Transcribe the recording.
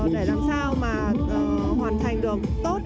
để làm sao mà hoàn thành được tốt